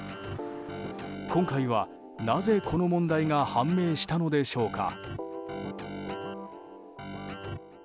今回はなぜ、この問題が判明したのでしょうか。